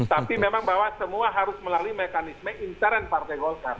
tapi memang bahwa semua harus melalui mekanisme intern partai golkar